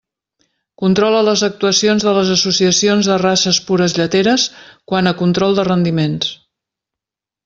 Controla les actuacions de les associacions de races pures lleteres quant a control de rendiments.